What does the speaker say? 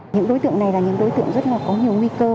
những đối tượng này là những đối tượng rất là có nhiều nguy cơ